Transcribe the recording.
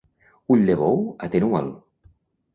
L'ull de bou, atenua'l.